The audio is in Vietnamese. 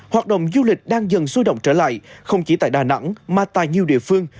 hoạt động du lịch đang dần sôi động trở lại không chỉ tại đà nẵng mà tại nhiều địa phương